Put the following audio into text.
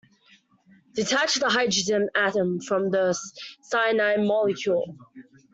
Detach the hydrogen atom from the cyanide molecule.